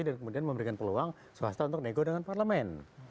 dan kemudian memberikan peluang swasta untuk nego dengan parlamen